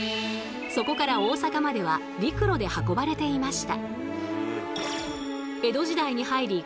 そこから大阪までは陸路で運ばれていました。